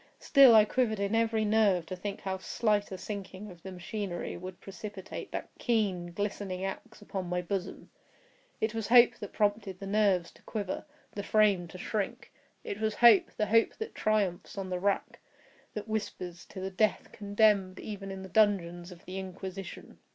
Still I quivered in every nerve to think how slight a sinking of the machinery would precipitate that keen, glistening axe upon my bosom. It was hope that prompted the nerve to quiver—the frame to shrink. It was hope—the hope that triumphs on the rack—that whispers to the death condemned even in the dungeons of the Inquisition.